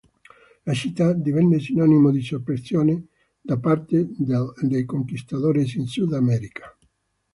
La città divenne sinonimo di soppressione da parte dei conquistadores in Sud America.